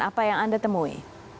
apa yang anda temui